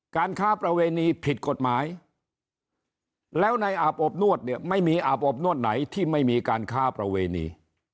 ค้าประเวณีผิดกฎหมายแล้วในอาบอบนวดเนี่ยไม่มีอาบอบนวดไหนที่ไม่มีการค้าประเวณี